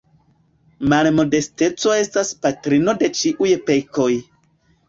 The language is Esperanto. Malmodesteco estas patrino de ĉiuj pekoj.